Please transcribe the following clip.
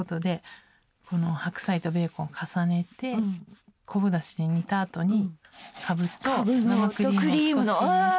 この白菜とベーコン重ねて昆布だしで煮たあとにかぶと生クリームを少し入れて。